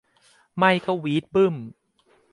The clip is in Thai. ไม่ก็วี๊ดบึ๊ม